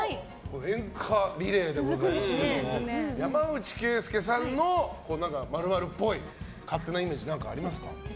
演歌リレーでございますけど山内惠介さんの○○っぽい勝手なイメージ何かありますか？